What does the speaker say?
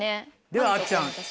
ではあっちゃん